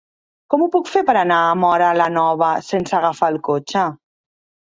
Com ho puc fer per anar a Móra la Nova sense agafar el cotxe?